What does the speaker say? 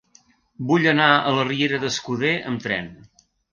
Vull anar a la riera d'Escuder amb tren.